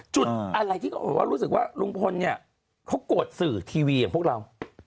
จุดอะไรที่รู้สึกว่าลุงพลเนี่ยเขากดสื่อทีวีอย่างพวกเรา